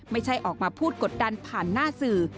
ไม่ใช่ออกมาพูดกดดันผ่านหน้าสื่อ